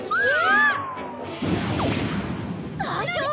大丈夫？